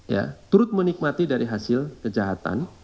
ya turut menikmati dari hasil kejahatan